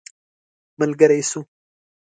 ملګری سو.